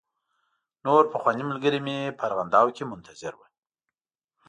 نور پخواني ملګري مې په ارغنداو کې منتظر و.